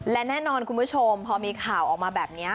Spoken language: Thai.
และแน่นอนคุณผู้ชมพอมีข่าวออกมาแบบนี้